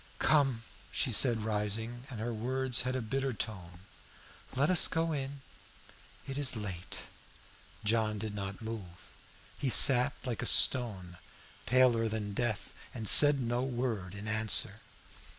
"Come," she said, rising, and her words had a bitter tone, "let us go in; it is late." John did not move. He sat like a stone, paler than death, and said no word in answer.